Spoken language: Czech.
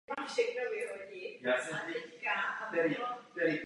Narodil se v Kuklenách u Hradce Králové.